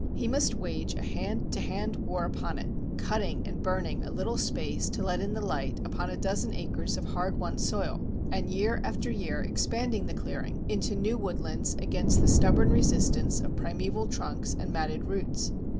He must wage a hand to hand war upon it, cutting and burning a little space to let in the light upon a dozen acres of hard won soil, and year after year expanding the clearing into new woodlands against the stubborn resistance of primeval trunks and matted roots.